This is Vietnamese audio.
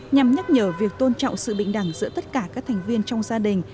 nhằm nhắc nhở việc tôn trọng sự bình đẳng giữa tất cả các thành viên trong gia đình